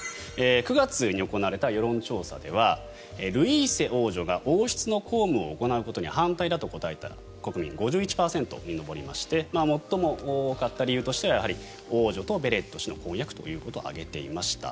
９月に行われた世論調査ではルイーセ王女が王室の公務を行うことに反対だと答えた国民は５１％に上りまして最も多かった理由としては王女とベレット氏の婚約ということを挙げていました。